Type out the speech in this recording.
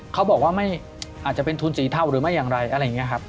เขาบอกว่าอาจจะเป็นทุนสีเทาหรือไม่อย่างไรอะไรอย่างนี้ครับ